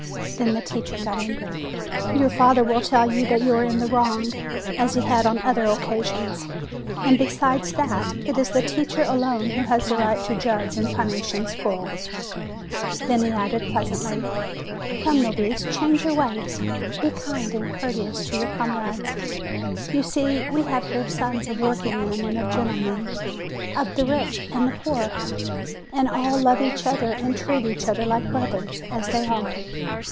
Then the teacher got angry. 'Your father will tell you that you are in the wrong, as he has on other occasions. And besides that, it is the teacher alone who has the right to judge and punish in school." Then he added pleasantly : "Come, Nobis, change your ways ; be kind and cour teous to your comrades. You see, we have here sons of workingmen and of gentlemen, of the rich and the poor, and all love each other and treat each other like brothers, as they are.